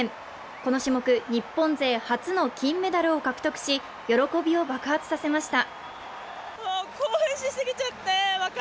この種目日本勢初の金メダルを獲得し喜びを爆発させました